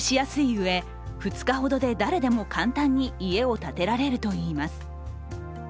うえ２日ほどで誰でも簡単に家を建てられるといいます。